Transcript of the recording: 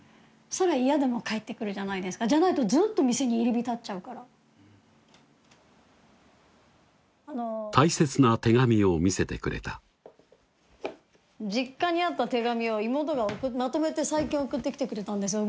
そら嫌でも帰ってくるじゃないですかじゃないとずっと店に入り浸っちゃうから大切な手紙を見せてくれた実家にあった手紙を妹がまとめて最近送ってきてくれたんですよ